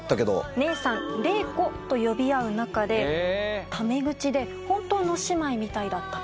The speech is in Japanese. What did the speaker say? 姉さん、麗子と呼び合う仲で、ため口で、本当の姉妹みたいだったと。